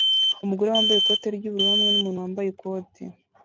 Umugore wambaye ikote ry'ubururu hamwe numuntu wambaye ikoti